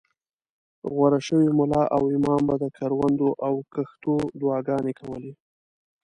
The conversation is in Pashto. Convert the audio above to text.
غوره شوي ملا او امام به د کروندو او کښتو دعاګانې کولې.